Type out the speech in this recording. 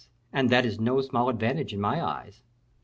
And that is no small advantage in my eyes."